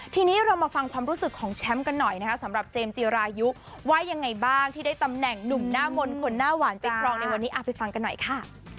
ทีนี้เรามาฟังความรู้สึกของแชมป์กันหน่อยนะคะสำหรับเจมส์จีรายุว่ายังไงบ้างที่ได้ตำแหน่งหนุ่มหน้ามนต์คนหน้าหวานใจครองในวันนี้ไปฟังกันหน่อยค่ะ